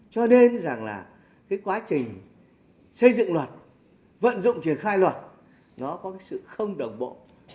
cho nên rằng là cái quá trình xây dựng luật vận dụng triển khai luật nó có cái sự không đồng bộ